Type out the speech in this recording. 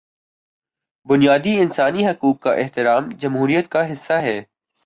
بنیادی انسانی حقوق کا احترام جمہوریت کا حصہ ہے۔